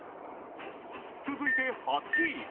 続いて８位。